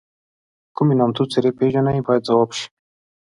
کومې نامتو څېرې پیژنئ باید ځواب شي.